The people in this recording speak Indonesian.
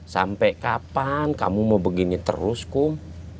sampai kapan kamu mau begini terus kum